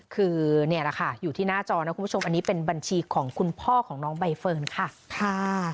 คือนี่แหละค่ะอยู่ที่หน้าจอนะคุณผู้ชมอันนี้เป็นบัญชีของคุณพ่อของน้องใบเฟิร์นค่ะ